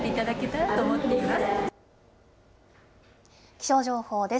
気象情報です。